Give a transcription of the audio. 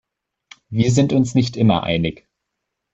Wir sind uns nicht immer einig.